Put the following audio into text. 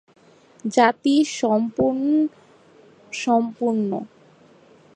জাতি: সম্পূণ-সম্পূর্ণ।